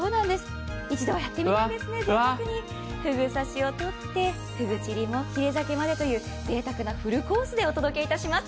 一度やってみたいですね、ぜいたくに、ふぐ刺しをとって、ふぐちり、ヒレ酒までぜいたくなフルコースでお届けいたします。